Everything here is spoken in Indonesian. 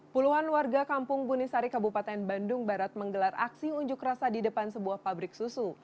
puluhan warga kampung bunisari kabupaten bandung barat menggelar aksi unjuk rasa di depan sebuah pabrik susu